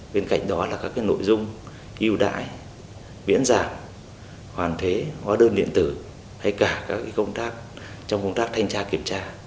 bên cạnh đó là các nội dung yêu đãi miễn giảm hoàn thế hóa đơn điện tử hay cả các công tác trong công tác thanh tra kiểm tra